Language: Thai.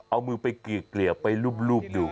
เอามือไปเกลี่ยไปรูปดู